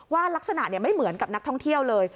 ลักษณะไม่เหมือนกับนักท่องเที่ยวเลย